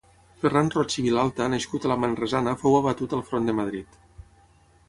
Ferran Roig i Vilalta nascut a la Manresana fou abatut al front de Madrid